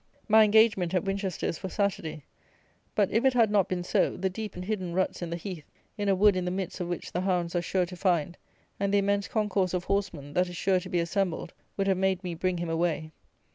My engagement at Winchester is for Saturday; but, if it had not been so, the deep and hidden ruts in the heath, in a wood in the midst of which the hounds are sure to find, and the immense concourse of horsemen that is sure to be assembled, would have made me bring him away.